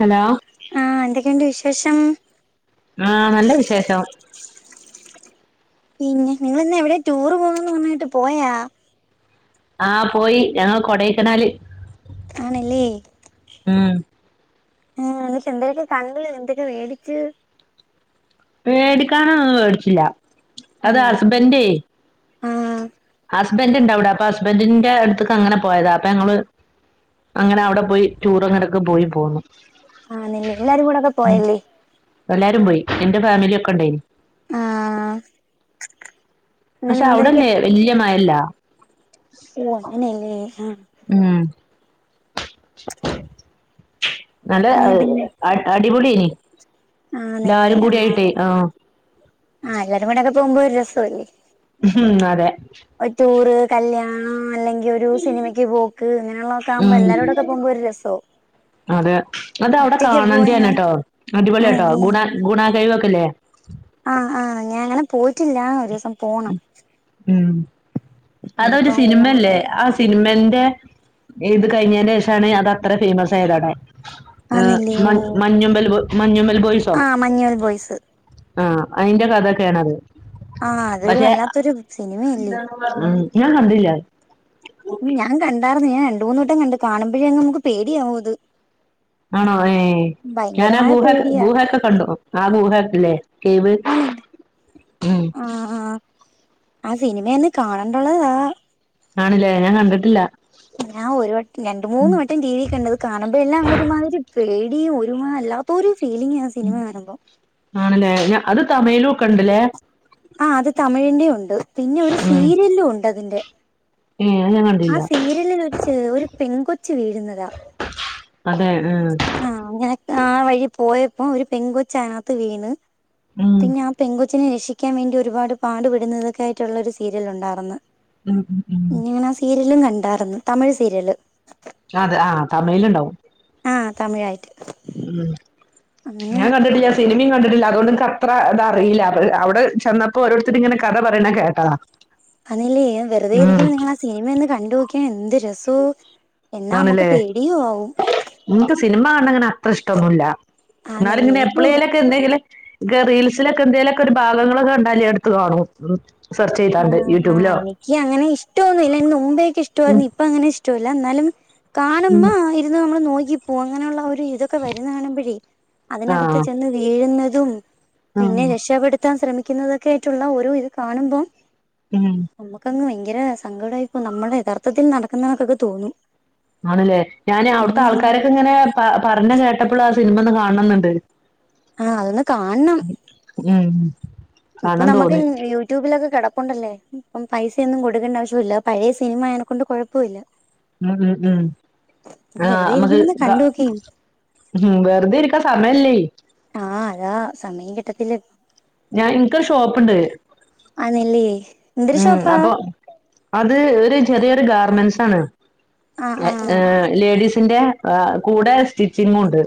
Hello ആഹ് എന്തെക്കേണ്ട് വിശേഷം ആഹ് നല്ല വിശേഷം പിന്നെ നിങ്ങളിന്ന് എവിടെ ടൂറ് പോവുന്നെന്ന് പറഞ്ഞിട്ട് പോയാ ആഹ് പോയി ഞങ്ങള് കൊടൈക്കനാല് ആണ് ല്ലേ ഉം ഉം എന്നിട്ട് എന്തൊക്കെ കണ്ട് എന്തൊക്കെ വേടിച്ചു വേടിക്കാനോന്നും വേടിച്ചില്ല അത് ആന്നല്ലേ ഹസ്ബൻഡേ ആഹ് ഹസ്ബന്ഡ് ഇണ്ട് അവീ ടെ അപ്പൊ ഹസ്ബൻ്റിൻ്റെ അടുത്ത്ക്ക് അങ്ങനെ പോയതാ അപ്പ ഞങ്ങള് അങ്ങനെ അവടെ പോയി ടൂർ അങ്ങിടൊക്കെ പോയി പോന്നു ആന്നല്ലേ എല്ലാരുകൂടെ ഒക്കെ ഉം പോയല്ലേ എല്ലാരും പോയി എന്റെ ഫാമിലി ഒക്കെ ഉണ്ടായി ആഹ് അങ്ങനെ പക്ഷെ എന്തൊരൊക്കെ അവിടല്ലേ വല്ല്യ മായയില്ല ഓ അങ്ങനല്ലേ ആഹ് ഉം നല്ല അ അങ്ങനെ പിന്നെ അ അടിപൊളിഎയിനി ആന്നല്ലേ എല്ലാരും കൂടി ആഹ് ആയിട്ടേ ആഹ് ആഹ് എല്ലാരും കൂടെ ഒക്കെ പോകുമ്പോ ഒര് രസോല്ലേ ഉം അതേ ഒര് ടൂറ് കല്യാണം അല്ലെങ്ക ഒരു സിനിമക്ക് പോക്ക് അങ്ങനെയുള്ള ഒക്കെ ആകുമ്പോ എല്ലാരൂടൊക്കെ പോകുമ്പോ ഒരു രസം ആവും അതേ അതഅവടെ പോയാ കാണണ്ടേണ് ട്ടോ അടിപൊളിയാട്ടോ ആണല്ലേ ഗുണ ഗുണാ കഴിവൊക്കെല്ലേ ആഹ് ആഹ് ഞാങ്ങനെ പോയിറ്റില്ലാ ഒരോസം ഉം അതൊരു ഇനിയിപ്പോ ഓണം സിനിമല്ലേ ആഹ് സ് സിനിമന്റെ ഇത് കഴിഞ്ഞേന്റെ ശേഷാണ് അത് അത്ര ഫെയ്മസായത് അവടെ ആഹ് ആന്നില്ലയോ മ മഞ്ഞുമ്മൽ മഞ്ഞുമ്മൽ ബോയിസോ ആഹ് മഞ്ഞുമൽ ബോയ്സ് ആഹ് അയിന്റെ കഥാ യൊക്ക യാണത് ആഹ് അതൊരു വല്ലാത്തൊരു സിനിമായല്ലേ ഉം ഞാൻ കണ്ടില്ല ഞാൻ കണ്ടാർന്ന് ഞാൻ രണ്ട് മൂന്നട്ടം കണ്ട് കാണുമ്പഴേ അങ്ങ് നമുക്ക് പേടിയാവും അ ത്. ആണോ ഏഹ് ഞാൻ ആ ഗുഹ പേടിയാ ഗുഹക്കെ കണ്ടു. ആ ഗുഹ ല്ലേ കേവ്. ആണ് ഉം ആഹ് ആഹ് ആ സിനിമയൊന്ന് കാണണ്ട്ള്ളതാ. ആണ്ല്ലേ ഞാൻ കണ്ടിട്ടി ല്ല ഞാൻ ഒരു വട്ടം രണ്ട് മൂന്ന് വട്ടം ടീ വി കണ്ടത് കാണുമ്പോ എല്ലാം അങ് ഒരുമാതിരി പേടിയും ഒരുമാ വല്ലാത്തൊരു ഫീലിംങ്ങാ ആ സിനിമ കാണുമ്പോ. ആണല്ലേ ഞാ അത് തമഴ്ലുക്കെണ്ടല്ലേ? ആഹ് അത് തമിഴിന്റെ ഒണ്ട്. പിന്നെ ഒരു ഉം സീരിയലിലും ഒണ്ട് അതിന്റെ. ഏഹ് അത്- [unintelligible] ആഹ് സീരിയലിൽച്ച് ഒരു പെൺ കൊച്ച് വീഴ്ന്നതാ.. അതെ അഹ്. ആഹ് അങ്ങനക്കെ ആ വഴി പോയപ്പോ ഒരു പെൺകൊച്ചതിനാത്ത് വീണ് ഉം പിന്നാ പെങ്കൊച്ചിനെ രക്ഷിക്കാൻ വേണ്ടി ഒരുപാട് പാടുപെടുന്നതെക്കായിട്ടുള്ള ഒരു സീരിയൽ ഒണ്ടാർന്ന്. ഉം ഉം ഉംഹ് രിയലും കണ്ടാർന്ന് തമിഴ് സീരിയല് അതെ അ തമിഴിലിണ്ടാവും. അഹ് തമിഴായിട്ട്. ഉംഹ് അങ്ങനെ ഞാൻ കണ്ടിട്ട്യാ- സിനിമേം കണ്ടിട്ട്ല അതോണ്ട് ക്കത്ര അതറിയില്ലാത് അവിടെ ചെന്നപ്പോ ഓരോരുത്തരിങ്ങനെ കഥ പറയണ കേട്ടതാ അതേലേ വെറ്തെ ഉം ഇരിക്കുമ്പ നിങ്ങളാ സിനിമ ഒന്ന് കണ്ടോക്ക്യാണ് എന്ത് രസോ. എന്നാമ്മക്ക് പേടിയുവാവും. ന്ക്ക് സിനിമ കാണങ്ങനെ അത്ര ഇഷ്ട്ടൊന്നുല്ല ആന്നല്ലേ എന്നാലിങ്ങനെ എനിക്ക് എപ്പളേലെക്- എന്തെങ്കില് ഗ്റീൽസിലക്കെ എന്തെങ്കിലൊക്കെരു ഭാഗങ്ങളൊക്ക കണ്ടാല് എട്ത്ത് കാണു ആഹ് ആ എനിക്ക് അങ്ങനെ ഇഷ്ട്ടൊന്നുല്ല ന്നുമ്പേക്കെ ഉം ഇഷ്ട്ടവായ്ര്ന്ന് ഇപ്പ അങ്ങനെ ഇഷ് ട്ടല്ലാ എന്നാലും ഉം കാണുമ്പാ ഇരുന്ന് നമ്മള് നോക്കിപ്പോവും അങ്ങനാ ഒള്ള ഒര് ഇത്- ക്കെ വര്ന്ന കാണുമ്പഴേ, ആ അതിനകത്ത് ചെന്ന് വീഴുന്നതും ഉം പിന്നെ രക്ഷപ്പെടുത്- ത്താൻ ശ്രമിക്കുന്നതൊക്കായിട്ട്ള്ള ഓരോ ഇത് കാണുമ്പം. ഉം നമ്മക്കങ്ങ് ഭയ്ങ്കരാ സങ്കടായിപ്പോ നമ്മടെ യഥാർത്ഥത്തിൽ നടക്കുന്നതൊക്കക്കെ തോന്നും. ആണല്ലേ ഞാന് അവ്ട്ത്താൾക്കാരൊക്കെ ങ്ങനെ പറഞ്ഞ കേട്ടപ്പള് ആ സിൻമ ഒന്ന് കാണണന്ന്ണ്ട്. ആഹ് അതൊന്ന് കാൺണം- ഉം.. ഇപ്പൊ കാണാൻ നമക്ക് തോന്നി യൂ - ട്യൂബിലക്കെ കെടപ്പോണ്ടല്ലേ ഇപ്പ പൈസയൊന്നും കൊടുക്കേണ്ട ആവശ്യോല്ല പഴേ സിനിമ അയെനെ കൊണ്ട് കൊഴപ്പൊല്ല. ഉം ഉം ഉം ആഹ് വെറുതെ നമക് ഇരിക്കുമ്പൊന്ന് കണ്ടു കാ- നോക്കേം ഉം വെർതെ ഇരിക്കാൻ സമയ്ല്ലേ ആ അതാ സമയം കിട്ടത്തില്ല ഞാൻ ഇൻക്കൊര് ഷോപ്പ്ണ്ട്. അന്നില്ല്യേ. ഉം അപ്പൊ അത് ഒരു ചെറിയൊരു ഗാർമെന്റ്സ് ആണ്. ആഹ് ആഹ് ഏഹ് ലേഡീസിന്റെ കൂടെ സ്റ്റിച്ചിങ്ങുണ്ട്.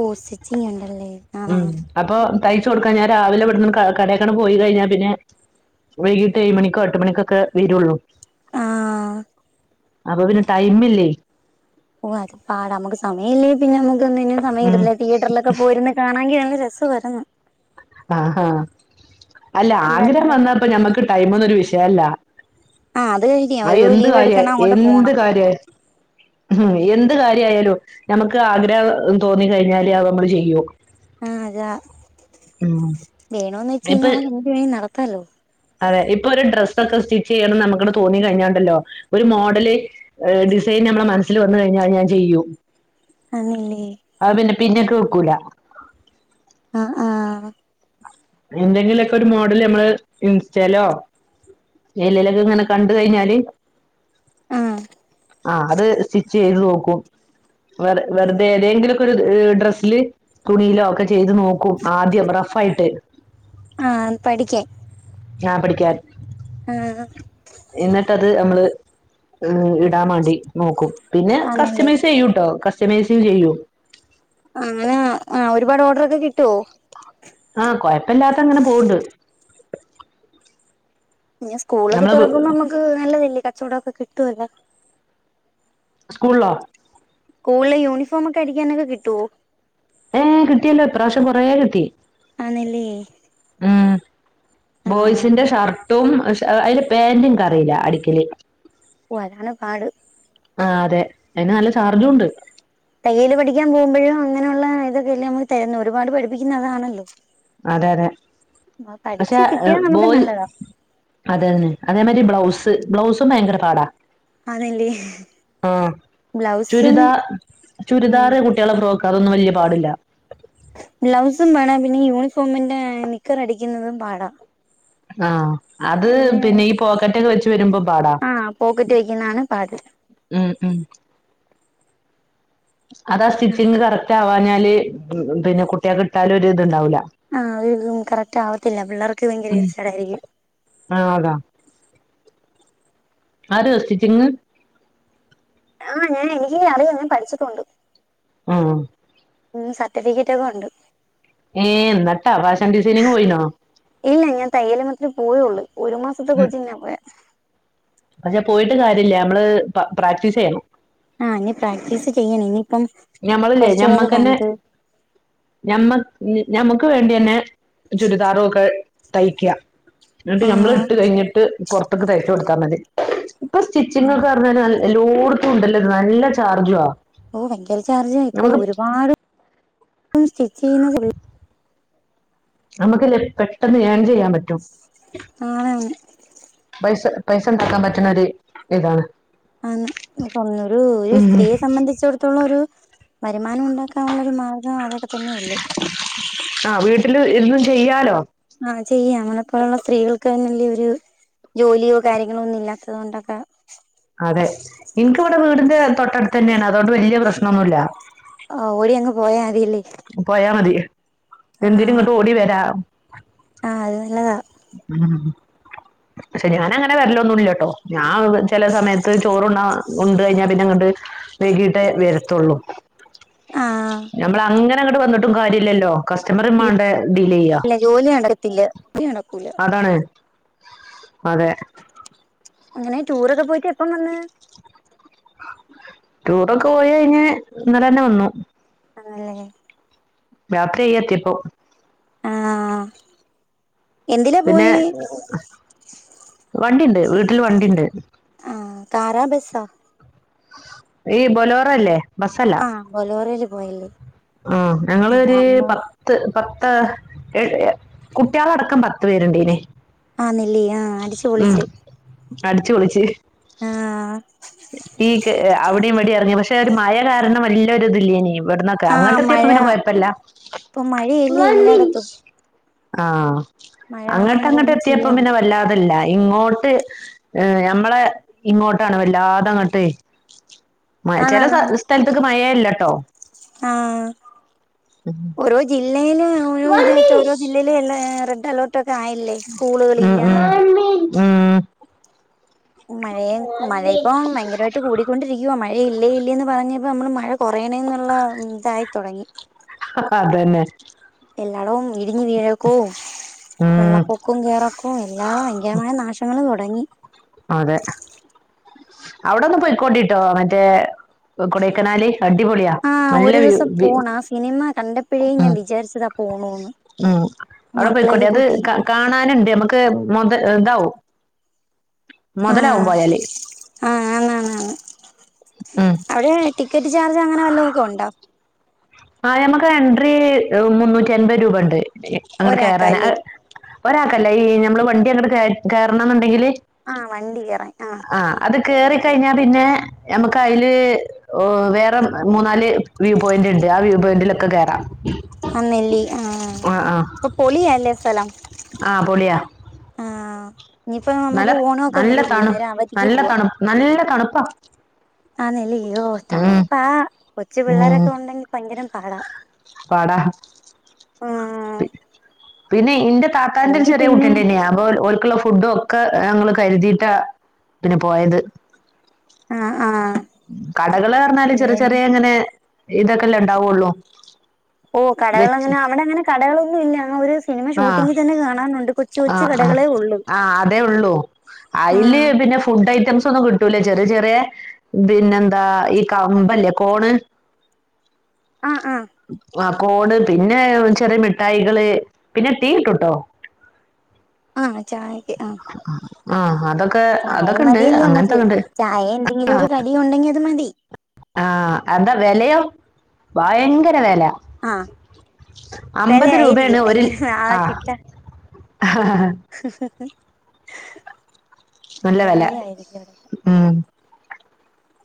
ഓഹ് സ്റ്റിച്ചിങ് ണ്ടല്ലേ?. ഉം അപ്പൊ തയ്ച്ചു കൊടുക്കാ ഞാൻ രാവിലെവിടുന്ന് ക കടേക്കണ് പോയി കഴിഞ്ഞാ പിന്നെ വൈകീട്ട് ഏഴ് മണിക്കോ എട്ട് മണിക്കൊക്കെ വരുള്ളൂ. ആഹ്- അപ്പൊ പിന്നേ ടൈമില്ലേയ് ഓ അത് പാടാ നമ്മുക്ക് സമയില്ലേ പിന്നെ നമുക് ഒന്നിനും സമയം ഉം കിട്ടത്തില്ല തിയേറ്ററിലൊക്കെ പോയിരുന്ന് കാണാങ്കി നല്ല രസവരിന്ന് ആഹ് അഹ് അല്ല എല്ലാരും ആഗ്രഹം കൂടൊക്കെ വന്നപ്പോ ഞമ്മക്ക് ടൈമ് ഒന്നരു വിഷയല്ല. ആഹ് അത് കഴിഞ്ഞ് അത് ഒരു എന്ത് ലീവ് കാര്യ എടുക്കണം അങ്ങോട്ട് എന്ത് പോണം കാര്യല് [inaudible] ഹ്ംഉം എന്ത് കാര്യയാലും നമുക്ക് ആഗ്രഹം തോന്നി കഴിഞ്ഞാൽ അത് നമ്മൾ ചെയും. ആഹ് അതാ വേണോന്ന് വെച്ച് കഴിഞ്ഞാൽ ഇപ്പൊ നമ്മക് എന്ത് വേണമെങ്കിലും നടത്താലോ. അതെ ഇപ്പൊ ഒരു ഡ്രസ്സൊക്കെ സ്റ്റിച്ച് ചെയ്യണംന്ന് നമുക്ക്ടെ തോന്നി കഴിഞ്ഞാണ്ടല്ലോ ഒരു മോഡല്. ഡിസൈൻ നമ്മെടെ മനസ്സിൽ വന്നു കഴിഞ്ഞാൽ അത് ഞാൻ ചെയ്യും. ആണില്ലേ?. അത്പിന്നെ പിന്നെക് വെക്കൂല. ആഹ് ആഹ്. എന്തെങ്കിലുമൊക്കെ ഒരു മോഡൽ നമ്മള് ഇൻസ്റ്റാലോ.? ഏലേലകേ ങ്ങനെ കണ്ട് കഴിഞ്ഞാല് ആഹ് ആ അത് സ്റ്റിച്ച് ചെയ്ത് നോക്കും. വെ വെറുതെ ഏതെങ്കിലൊക്കെ ഒരു ഡ്രസ്സില് തുണിയിലോ ഒക്കെ ചെയ്ത് നോക്കും ആദ്യം റഫ് ആയിട്ട്. ആ പഠിക്കാൻ ആ പഠിക്കാൻ ആഹ്. എന്നിട്ട്ത് നമ്മള് ഇടാൻ വേണ്ടി നോക്കും പിന്നെ ആന്നല്ലേ കസ്റ്റമൈസ് ചെയ്യും ട്ടോ കസ്റ്റമേസും ചെയ്യും അങ്ങനെ ആ ഒരുപാട് ഓർഡറൊക്കെ കിട്ടുവോ? ആ കൊഴപ്പില്ലാത്ത അങ്ങനെ പോവ്ണ്ട്. പിന്നെ സ്കൂളൊക്കെ നമ്മള് തുറക്കുമ്പോ മ്മക്ക് നല്ലതല്ലേ കച്ചവടക്കെ കിട്ടുവല്ലേ സ്കൂൾളോ? സ്കൂൾള് യൂണിഫോമ് ഒക്കെ അടിക്കാനൊക്കെ കിട്ടുവോ? ഏ കിട്ടിയല്ലോ ഇപ്പ്രാശ്യം കുറേ കിട്ടി. ആന്നല്ലേ ഉം ആഹ് ബോയ്സിന്റെ ഷർട്ടും സ്‌ ഓ അയ്ന്റെ ബേന്റ് ഇന്ക് അറീല അടിക്കല് ഓ അതാണ് പാട്. ആ അതെ അയ്ന് നല്ല ചാർജുംണ്ട്. തയ്യൽ പഠിക്കാൻ പോകുമ്പോഴും അങ്ങനെയുള്ള ഇതൊക്കെല്ലേ നമുക്ക് തരുന്നു ഒരുപാട് പഠിപ്പിക്കുന്നഅതാണല്ല് [unintelligible] അതെ അതെ പക്ഷെ കിട്ടിയാ നമുക്ക് ബോയി നല്ലതാ അതെന്നെ അതേമാരി ബ്ലൗസ് ബ്ലൗസും ഭയങ്കര പാടാ. അതല്ലേ ആ ബ്ലൗസും ചുരിദാ ഉം ചുരിദാറ് കുട് ട്ടിയാളെ ഫ്രോക് അതൊന്നു വല്ല്യപാടില്ല. ബ്ലൗസും പാടാ പിന്നെ യൂണിഫോമിന്റെ നിക്കറ് അടിക്കുന്നതും പാടാ. ആ അത് അതിന് പിന്നെ ഈ പോക്കറ്റൊക്കെ വെച് ട്ട് വരുമ്പോ പാടാ ആ പോക്കറ്റ് വെക്കുന്നതാണ് പാട് ഉം ഉം. അതാ സ്റ്റിച്ചിങ്ങ് കറക്റ്റ് ആവാഞ്ഞാല് പിന്നെ കുട്ടിയാക്ക് ഇട്ടാലൊര്ത്ണ്ടാവൂല ആ ഒര്തും കറക്റ്റ് ആവത്തില്ല പിള്ളേർക്ക് ഭയങ്കര ഇർച്ചാടായിരിക്കും. ആ അതാ അറിയോ സ്റ്റിച്ചിങ്. ആ ഞാ എനിക്ക് അറിയും ഞാൻ പഠിച്ചിട്ടുണ്ട്. ആഹ്. ഉം സർട്ടിഫിക്കറ്റ് ഒക്കെ ഉണ്ട്. ഏ ന്നിട്ടാ ഫാഷൻ ഡിസൈനിങ് പോയിന്നോ? ഇല്ല ഞാൻ തയ്യല [unintelligible] പോയുള്ളൂ ഒരു മാസത്തെ കോച്ചിങ്ങിനാ പോയെ. പഷെ പോയിട്ട് കാര്യല്ല ഞമ്മള് പ്ര പ്രാക്ടീസെയ്യണം. ആ ഇനി പ്രാക്ടീസ് ചെയ്യണം ഇനിയിപ്പം ഞമ്മള്ല്ലേ കുറച്ചുകൂടെക്കെ ഞമ്മക്കന്നെ കഴിഞ്ഞിട്ട് ഞമ്മക് ഞമ്മക്ക് വേണ്ടിന്നെ ചുരിദാറൊക്കെ തയ്ക്ക ന്ന്ട്ട് ഞമ്മള് ആ ഇട്ട് കഴിഞ്ഞിട്ട് പുറത്ത്ക്ക് തയ്ച്ച കൊട്ത്താ മതി. ഇപ്പൊ സ്റ്റിച്ചിങ്ങോക്കെർഞ്ഞാല് എലോട്ത്തും ഉണ്ടല്ലോത് നല്ല ചാർജുആ ഓ ഭയങ്കര ചാർജാ ഇപ്പ ഒരുപാട് സ്റ്റിച്ച് ചെയ്യുന്ന [unintelligible] അമ്മക്ക്ല്ലെ പെട്ടെന്ന് ഏൺ ചെയ്യാൻ പറ്റും. ആണാണ് പൈസ പൈസണ്ടാക്കാൻ പറ്റുണോര് ഇതാണ്. ആന്ന് ന്ന്ട്ടൊന്നൊരു ഒരു ഉം സ്ത്രീയെ സംബന്ധിച്ചിടത്തോളൊരു വരുമാനം ഉണ്ടാക്കാൻ ക്കാൻ ഉള്ളൊരു മാർഗം അതൊക്കെ തന്നെ ഒള്ളു ആ വീട്ടില് ഇര്ന്നും ചെയ്യാലോ. ആ ചെയ്യാം മ്മളെപ്പോലുള്ള സ്ത്രീകൾക്ക് തന്നെയല്ലെ ഒരു ജോലിയോ കാര്യങ്ങളോന്നും ഇല്ലാത്തതൊണ്ടൊക്കെ അതെ ഇൻക്ക് ഇവ്ടെ വീടിന്റെ തൊട്ടടുത്തെന്നെണ് അതൊണ്ട് വല്ല്യാ പ്രശ്നൊന്നുല്ല. ഓ ഓടിയങ്ങ് പോയാ മതിയല്ലേ പോയാ മതി എന്തിനും ഇങ്ങട്ട് ഓടി വര ആ അത് നല്ലതാ ഉം പഷെ ഞാൻ അങ്ങനെ വരലോന്നുംല്ലട്ടോ ഞ്ഞാവ് ചെല സമയത്ത് ചോറുണ്ണ ഉണ്ട് കഴിഞ്ഞാ പിന്നെ ഇങ്ങട്ട് വൈകിട്ടേ വെരത്തൊള്ളൂ. ആ ഞമ്മളങ്ങനെങ്ങട്ട് വന്ന്ട്ടും കാര്യല്ലല്ലോ കസ്റ്റമറിം മാണ്ടെ ഡീലെയ്യ ജോലിയണ്ടകത്തില്ല കൂലി നടക്കൂല അതാണ് അതെ അങ്ങനെ ടൂറൊക്കെ പോയിട്ട് എപ്പം വന്ന്? ടൂറൊക്കെ പോയി യഴ്ഞ്ഞ് ഇന്നലെന്നെ വന്നു ആണല്ലേ രാത്രിയായി എത്തിയപ്പോ ആ എന്തിലാ പോയി? വണ്ടിണ്ട് വീട്ടില് വണ്ടിണ്ട്. ആ കാറാ ബെസ്സാ ഈ ബൊലോറല്ലേ ബസ്സല്ല ആ ബൊലോറെല് പോയല്ലേ ആ ആ ഞങ്ങളൊര് അമ്മ പത് ത്ത് പത്ത് എഴ് കുട്ട്യാളടക്കം പത്ത്പേര്ണ്ടെയ്ന് ആന്ന്ല്ലെ ആ അട്ച്ച് പൊളിച്ച് അട്ച്ച് പൊളിച്ച് ആഹ് ഈ ക്ക് അവടിം ഇവടിം എർങ്ങി പഷെ ഒരു മഴ കാരണം വല്ലൊരു ഇത് ല്യയ്നു ഇവിട്ന്നൊക്കെ ആ അങ്ങട്ട് മഴ എത്തിയപ്പൊ പിന്നെ കൊഴപ്പല്ല. ഇപ്പൊ മഴയല്ലേ എല്ലായിടത്തും ആ മഴ കാരണം അങ്ങട്ട് നമുക്ക് അങ്ങട്ട് ഒന്നും എത്തിയപ്പൊ ചെയ്യാം പിന്നെ വല്ലാതല്ല ഇങ്ങോ ട്ട് ഞമ്മളെ ഇങ്ങോട്ടാണ് വല്ലാതങ്ങട്ടെയ് മഴ ചെല ആന്നാന്നാന്ന് സ്ഥലത്ത്ക്ക് മഴേ ല്ലട്ടോ. ആ ഓരോ ജില്ലയില് ഓരോ ഇതായിട്ട് ഓരോ ജിൽ തില് ള്ളേ റെഡ് അലർട്ടോക്കെ ആയില്ലേ ഉം സ്കൂളുകളില്ല ഉം ഉം മഴേംമഴ ഇപ്പം ഭയങ്കരായ്ട്ട് ട്ട് കൂടിക്കൊണ്ടിരിക്കുവാ മഴ ഇല്ലേ ഇല്ലേന്ന് പറഞ്ഞ്പ്പോ ഞമ്മള് മഴ കൊറെണേന്നുള്ള ഉം തായിതൊടങ്ങി അതന്നെ എല്ലാടവും ഇടിഞ്ഞ് വീഴക്കോ ഉം വെള്ളപ്പൊ ക്കും കെയറക്കോം എല്ലാം ഭയങ്കരമായ നാശങ്ങള് തുടങ്ങി അതെ അവിടോന്ന് പോയിക്കോണ്ടിട്ടോ മറ്റേ കൊടയ്ക്കനാല് അടിപൊളിയാ ആ നല്ല ഒരു വ്യൂ ദിവസം വ്യൂ പോണ ആ സിനിമ കണ്ടപ്പഴേ ഞാൻ വിചാരിച്ചതാ പോണോന്ന് ആ അവ്ടെ പൊയ്ക്കോണ്ടി അത് ക കാണാന്ണ്ട് നമുക്ക് മൊത ഇതാവും മൊതലാവും പോയാല് ആ ആന്ന് ആന്ന് ആന്ന് ഉം അവിടെ ടിക്കറ്റ് ചാർജ് അങ്ങനെ വല്ലലോക്കെ ഒണ്ടോ? ആ ഞമ്മക്ക് എൻട്രി മുന്നൂറ്റി അൻപത് രൂപ ണ്ട് അങ്ങാട്ട് കേറാന് ഒരാക്കല്ലേ ഒരാൾക്കല്ല ഈ ഞമ്മള് വണ്ടി അങ്ങട് കെ കേറണന്ന്ണ്ടെങ്കില് ആ വണ്ടി കേറാൻ ആ ആ അത് കേറി കഴിഞ്ഞ പിന്നെ ഞമ്മക്ക് അയ്ല് ഓ വേറെ മൂന്നാല് വ്യൂ പോയിന്റ് ണ്ട് ആ വ്യൂ പോയിന്റലൊക്കെ കേറ ആഹാ നെല്ലി ആഹാ അപ്പോ പൊളിയല്ലേ സ്ഥലം. ആഹാ പൊളിയാ. ആഹാ ഇനി ഇപ്പ നല്ല നമുക്ക് ഓണം- ഒക്കെ നല്ല വെരുല്ലേ തണു നേര അവധിക്ക് നല്ല പോവാം. തണു നല്ല തണുപ്പാ ആഹാ ആന്നല്ലേ? ഓ ഉം തണുപ്പാ, ആഹാ കൊച്ചു പിള്ളേരൊക്കെ- ഉണ്ടെങ്കി ഭയങ്കരം പാടാ. പടാ. ആഹ് പി പിന്നെ ഇന്റെ താത്താന്റെ ഒരു ഇല്ലെങ്കി ചെറിയ പിന്നെ കുട്ടിയണ്ടന്നെ അപ്പോ ഓലിക്ക് ഒള്ള ഫുഡോ- ഒക്കെ ഞങ്ങള് കരുതിയിട്ടാ പിന്നെ പോയത്. ആഹാ ആഹാ. ഉം കടകള് പറഞ്ഞാല് ചെറിയ, ചെറിയ എങ്ങനെ ഇതൊക്കെ അല്ലേ ഇണ്ടാവുള്ളു. ഓ കടകൾ അങ്ങനെ അവിടെ- അങ്ങനെ കടകളൊന്നും ഇല്ല. അങ്ങ ഒരു സ്- സിനിമ ആ ഷൂട്ടിംഗ് തന്നെ കാണാനുണ്ട്, കൊച്ചു ആ കൊച്ചു ആ കടകളെ ഒള്ളൂ. ആ അതേ ഉള്ളൂ അയില് പിന്നെ ഫുഡ് ഐറ്റംസ്- ഒന്നും കിട്ടു - കിട്ടുല്ല ചെറിയ, ചെറിയ പിന്നെന്താ? ഈ കമ്പല്ലേ കോണ്, ആഹാ ആഹാ. ആഹാ കോണ് പിന്നെ, ചെറിയ മിഠായികള്, പിന്നെ തീട്ടട്ടോ- ആഹ ചായക്ക്, ആഹാ. ഉം. ആഹാ അതൊക്കെ, അതൊക്കെ എണ്ട്, മതിയല്ലേ അങ്ങനത്തെ നമുക്ക് ഒക്കെ എണ്ട്. ചായ എന്തെങ്കിലും ഒരു കടി ഉണ്ടെങ്കി അത് മതി ആഹാ എന്താ വെലയോ? ഭയങ്കര വെല. ആ അമ്പത് വിലയായിരിക്കും രൂപയാണ്, ഒരു ഭയങ്കര ആ ആഹാ. ആഹാ ആഹാ. ഉം ഉം ഉം.. നല്ല വെല ഉം.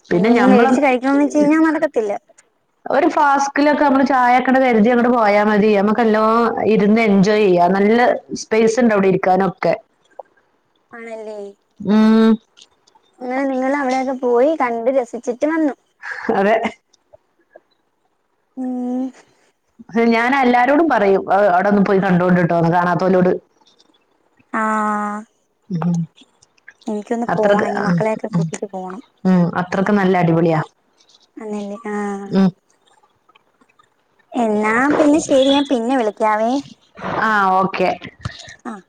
പിന്നെ നമ്മളൊന്നും ഞമ്മള്- മേടിച്ച് കഴിക്കണംന്ന് വെച്ച് കഴിഞ്ഞാൽ നടക്കത്തില്ല ഒരു ഫാസ്കില് ഒക്കെ അമ്മള് ചായ ഒക്കെ അങ്ങട് കരുതി അങ്ങട് പോയാൽ മതി അമ്മക്ക് എല്ലാം- ഇരുന്ന് എൻജോയ് ചെയ്യാം. നല്ല- സ്പേസ് എണ്ട് അവിടെ ഇരിക്കാന് ഒക്കെ. ആണല്ലേ? ഉം. ഉം. അങ്ങനെ നിങ്ങൾ അവിടെ ഒക്കെ- പോയി കണ്ട് രസിച്ചിട്ട് വന്നു. അതെ. ഉം.. ഹേയ് ഞാന എല്ലാരോടും പറയും അവിടെ ഒന്ന് പോയി- കണ്ടോണ്ടിട്ടോന്ന്. കാണാത്തൊലോട്. ആഹ. ഉം. അത്രക്ക് പോണം ഇനി ഉം മക്കളെയൊക്കെ ഉം കൂട്ടിട്ട് പോണം ഉം അത്രക്ക് നല്ല അടിപൊളിയാ. അന്നല്ലേ? ആഹ.. ഉം. എന്നാ പിന്നെ ശരി, ഞാൻ പിന്നെ വിളിക്കാവേ? ആഹാ ഓക്കെ. ആഹാ.